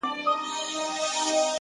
په سپين لاس کي يې دی سپين سگريټ نيولی ـ